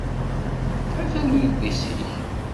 Atan udlis-ik.